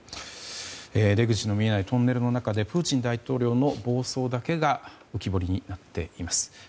出口の見えないトンネルの中でプーチン大統領の暴走だけが浮き彫りになっています。